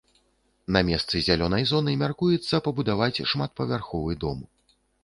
На месцы зялёнай зоны мяркуецца пабудаваць шматпавярховы дом.